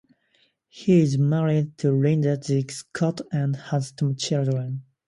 He is married to Linda G. Scott and has two children.